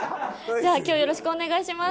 じゃあ今日よろしくお願いします。